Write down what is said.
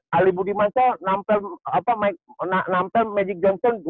kalau alibudi mansyah nampel apa na nampel magic johnson waktu olimpiade